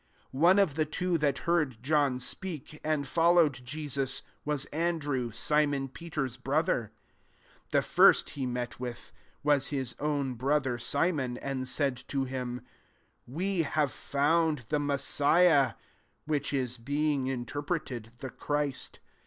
40 One of the two that heard John sfieakj and followed Jesus, • was Andrew, Simon Peter's brother. 41 The first he met with, was his own brother Si mon, and he said to him, •* We have found the Messiah :" (which is, being interpreted, the Christ.)